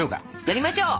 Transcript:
やりましょう！